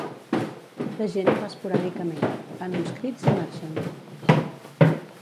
La gent hi va esporàdicament, fan uns crits i marxen.